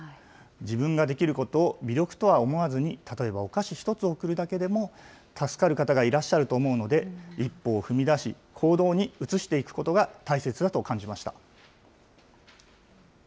自分ができることを微力とは思わずに、例えばお菓子１つ送るだけでも、助かる方がいらっしゃると思うので、一歩を踏み出し、行動に移していくことが大切だと感じました。